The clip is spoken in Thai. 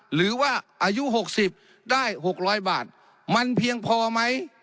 หรือว่าอายุหกสิบได้หกร้อยบาทมันเพียงพอไหม